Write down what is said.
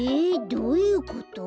どういうこと？